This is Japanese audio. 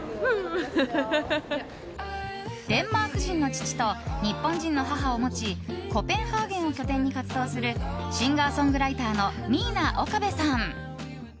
デンマーク人の父と日本人の母を持ちコペンハーゲンを拠点に活動するシンガーソングライターのミイナ・オカベさん。